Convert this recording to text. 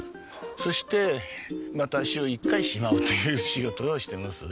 そしてまた週１回しまうという仕事をしてます。